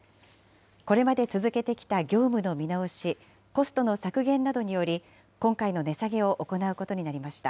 これまで続けてきた業務の見直し、コストの削減などにより、今回の値下げを行うことになりました。